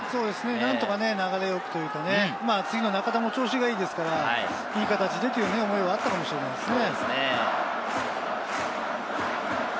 何とか流れよくというね、中田も、今、調子がいいですから、いい形でという思いがあったかもしれませんね。